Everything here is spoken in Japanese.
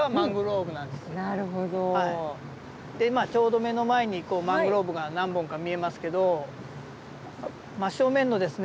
ちょうど目の前にこうマングローブが何本か見えますけど真正面のですね